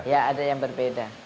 ya ada yang berbeda